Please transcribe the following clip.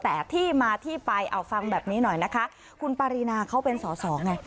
แต่ที่มาที่ไปเอาฟังแบบนี้หน่อยนะคะคุณปารีนาเขาเป็นสอสอไง